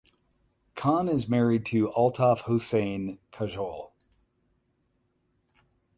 Khan is married to Altaf Hossain Kajol.